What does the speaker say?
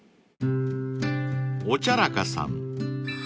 ［おちゃらかさん］